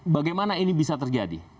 bagaimana ini bisa terjadi